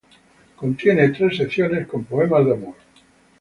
Contiene tres secciones con poemas de amor.